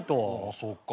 そっか。